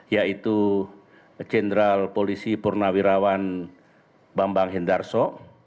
yaitu jenderal polisi purnawirawan bambang hindarso